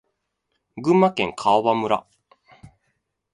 群馬県川場村